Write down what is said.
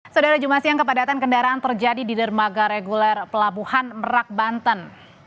saudara jumat siang kepadatan kendaraan terjadi di dermaga reguler pelabuhan merak banten